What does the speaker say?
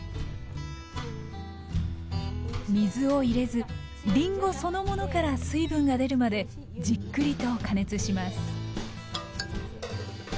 水を入れずりんごそのものから水分が出るまでじっくりと加熱します